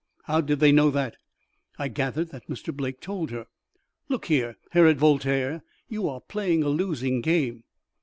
How did they know that?" "I gathered that Mr. Blake told her. Look here, Herod Voltaire; you are playing a losing game."